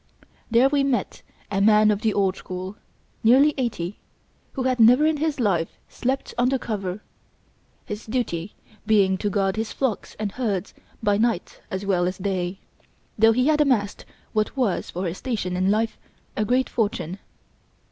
There we met a man of the old school, nearly eighty, who had never in his life slept under cover, his duty being to guard his flocks and herds by night as well as day, though he had amassed what was for his station in life, a great fortune.